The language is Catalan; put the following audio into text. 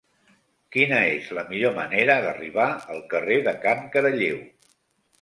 Quina és la millor manera d'arribar al carrer de Can Caralleu?